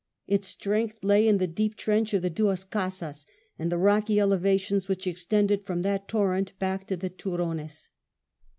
Its strength lay in the deep trench of the Duas Casas and the rocky elevations which extended from that torrent back to the Turones.